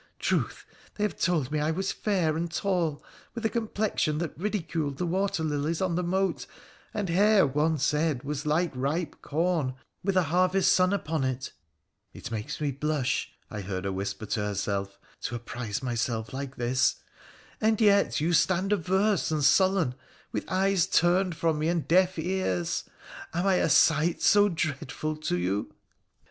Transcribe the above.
Truth ! they have told me I was fair, and tall, with a complexion that ridiculed the water lilies on the moat, and hair, one said, was like ripe com with a harvest sun upon it (it makes me blush '— I heard her whisper to herself —' to apprise myself like this), and yet you stand averse and sullen, with eyes turned from me, and deaf ears ! Am I a sight so dreadful to you